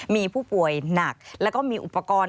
มีผู้ป่วยหนักแล้วก็มีอุปกรณ์